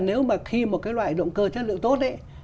nếu mà khi một cái loại động cơ chất lượng tốt ấy